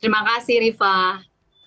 terima kasih rifah